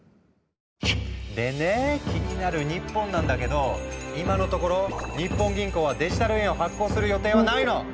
でね気になる日本なんだけど今のところ日本銀行はデジタル円を発行する予定はないの。